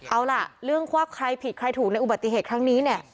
เอาล่ะเรื่องว่าใครผิดใครถูกในอุบัติเหตุครั้งนี้เนี่ย